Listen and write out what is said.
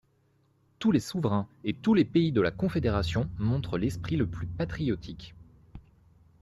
Tous les souverains et tous les pays de la confédération montrent l'esprit le plus patriotique.